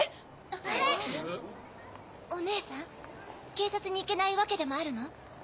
警察に行けない訳でもあるの？